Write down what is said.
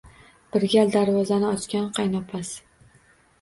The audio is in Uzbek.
Bir gal darvozani ochgan qaynopasi